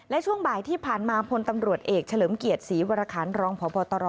และช่วงบ่ายที่ผ่านมาพลตำรวจเอกเฉลิมเกียรติศรีวรคันรองพบตร